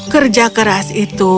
kerja keras itu